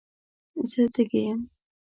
زه تږي یم.